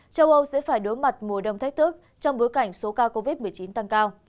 châu âu sẽ phải đối mặt mùa đông thách thức trong bối cảnh số ca covid một mươi chín tăng cao